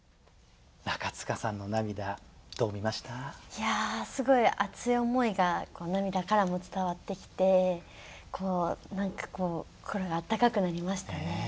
いやすごい熱い思いが涙からも伝わってきてこう何かこう心があったかくなりましたね。